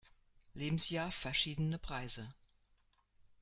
Lebensjahr verschiedene Preise.